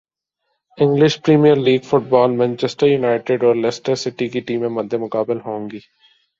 English premiere league football Manchester United اور Leicester City کی ٹیمیں مدمقابل ہونگی